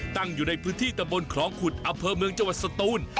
ตั้งอยู่ในพื้นที่ตะบนคลองขุดอำเภอเมืองจังหวัดสตูน